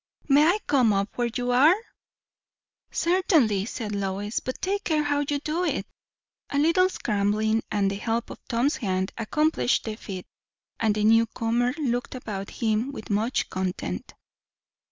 "May I come up where you are?" "Certainly!" said Lois. "But take care how you do it." A little scrambling and the help of Tom's hand accomplished the feat; and the new comer looked about him with much content.